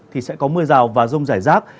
thì sẽ có mưa rào và rông rải rác